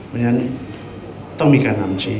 มันยังต้องมีการนำทรีย์